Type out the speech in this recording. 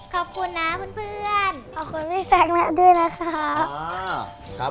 ขอบคุณนะเพื่อนขอบคุณพี่แซคนัทด้วยนะครับ